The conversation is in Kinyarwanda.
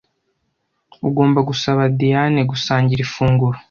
Ugomba gusaba Diyane gusangira ifunguro.